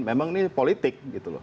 memang ini politik gitu loh